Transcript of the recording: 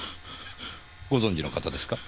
ご存じの方ですか？